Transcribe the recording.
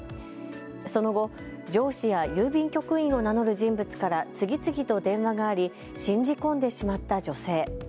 その後、上司や郵便局員を名乗る人物から次々と電話があり信じ込んでしまった女性。